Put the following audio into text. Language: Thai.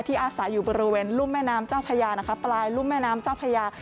อาศัยอยู่บริเวณรุ่มแม่น้ำเจ้าพญานะคะปลายรุ่มแม่น้ำเจ้าพญา